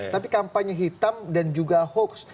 tapi kampanye hitam dan juga hoax